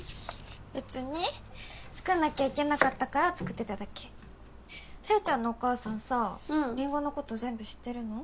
別に作んなきゃいけなかったから作ってただけ小夜ちゃんのお母さんさりんごのこと全部知ってるの？